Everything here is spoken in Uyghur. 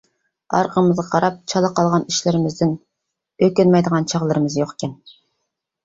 ئارقىمىزغا قاراپ چالا قالغان ئىشلىرىمىزدىن ئۆكۈنمەيدىغان چاغلىرىمىز يوقكەن.